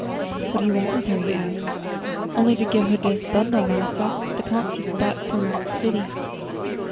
"What do you want with her?" he asked. "Only to give her dis bundle, massa, dat Pomp jus brought from de city."